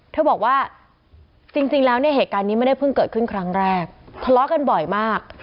เธอบอกว่าจริงแล้วเนี่ยเหตุการณ์นี้ไม่ได้เพิ่งเกิดขึ้นครั้งแรกทะเลาะกันบ่อยมาก